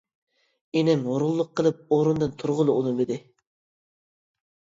ئىنىم ھۇرۇنلۇق قىلىپ ئورنىدىن تۇرغىلى ئۇنمىدى.